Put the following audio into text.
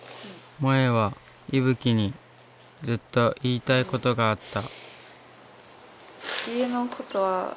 もえはいぶきにずっと言いたいことがあった。